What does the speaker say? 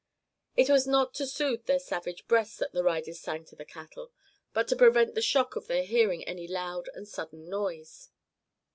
It was not to soothe their savage breasts that the riders sang to the cattle, but to prevent the shock of their hearing any loud and sudden noise.